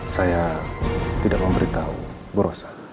saya tidak memberitahu bu rosa